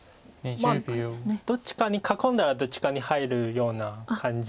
まあどっちかに囲んだらどっちかに入るような感じですか。